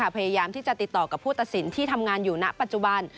พยายามที่จะติดต่อกับผู้ตัดสินที่ทำงานอยู่ณปัจจุบัน